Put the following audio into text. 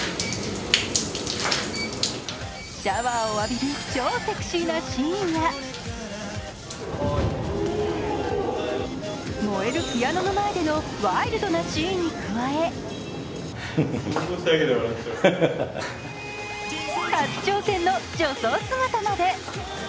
シャワーを浴びる超セクシーなシーンや燃えるピアノの前でのワイルドなシーンに加え初挑戦の女装姿まで。